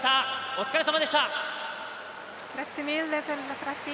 お疲れさまでした。